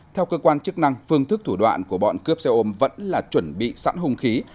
theo cơ quan chức năng phương thức thủ đoạn của bọn cướp xe ôm vẫn là chuẩn bị sẵn hùng khí